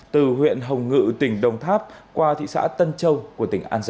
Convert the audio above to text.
từ huyện hồng ngự tỉnh đồng tháp qua thị xã tân châu